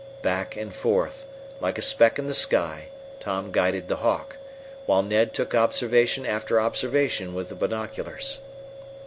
Back and forth, like a speck in the sky, Tom guided the Hawk, while Ned took observation after observation with the binoculars.